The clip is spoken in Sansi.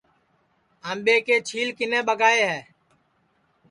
آمٻے کے چھیل کِنے ٻگائے ہے